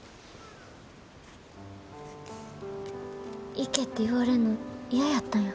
行けって言われんの嫌やったんや。